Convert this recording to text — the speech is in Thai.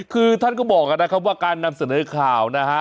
คือท่านก็บอกนะครับว่าการนำเสนอข่าวนะฮะ